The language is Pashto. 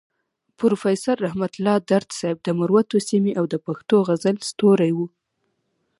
پروفيسور رحمت الله درد صيب د مروتو سيمې او د پښتو غزل ستوری وو.